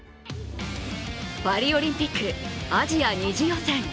パリオリンピック、アジア２次予選。